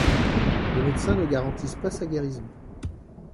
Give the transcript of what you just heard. Les médecins ne garantissent pas sa guérison.